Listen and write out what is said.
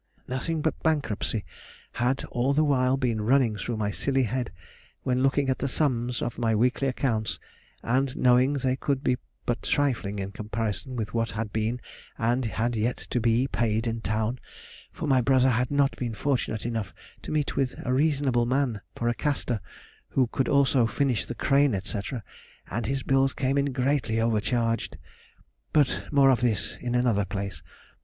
Nothing but bankruptcy had all the while been running through my silly head, when looking at the sums of my weekly accounts and knowing they could be but trifling in comparison with what had been and had yet to be paid in town, for my brother had not been fortunate enough to meet with a reasonable man for a caster who could also furnish the crane, &c., and his bills came in greatly overcharged. But more of this in another place.